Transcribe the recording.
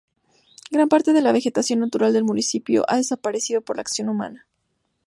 Gran parte de la vegetación natural del municipio ha desaparecido por la acción humana.